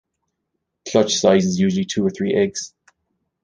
Clutch size is usually two or three eggs.